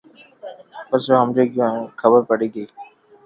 پسي او ھمجي گيو ھين خبر پڙي گئي